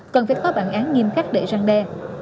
cần phải có bản án nghiêm khắc để răng đe